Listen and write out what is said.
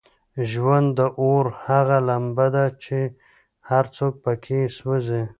ژوند د اور هغه لمبه ده چې هر څوک پکې سوزي.